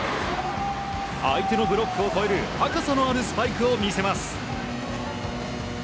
相手のブロックを越える高さのあるスパイクを見せます。